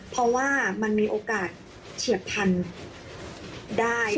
เพราะว่ามันมีโอกาสเฉียบพันธุ์ได้